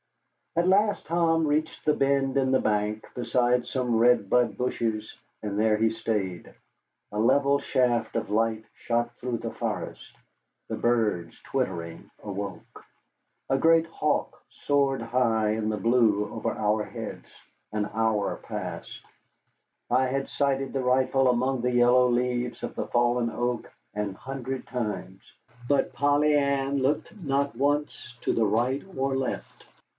At last Tom reached the bend in the bank, beside some red bud bushes, and there he stayed. A level shaft of light shot through the forest. The birds, twittering, awoke. A great hawk soared high in the blue over our heads. An hour passed. I had sighted the rifle among the yellow leaves of the fallen oak an hundred times. But Polly Ann looked not once to the right or left.